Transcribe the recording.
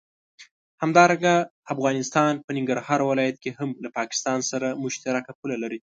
همدارنګه افغانستان په ننګرهار ولايت کې هم له پاکستان سره مشترکه پوله لري.